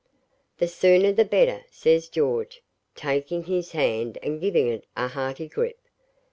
'The sooner the better,' says George, taking his hand and giving it a hearty grip.